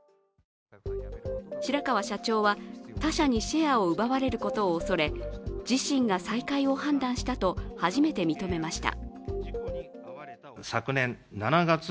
白川社長は他社にシェアを奪われることを恐れ自身が再開を判断したと初めて認めました。